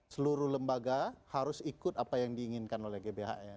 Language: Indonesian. seluruh lembaga harus ikut apa yang diinginkan oleh gbhn